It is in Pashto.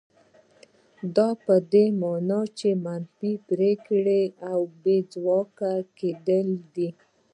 دا په دې مانا چې منفي پرېکړه او بې ځواکه کېدل دي.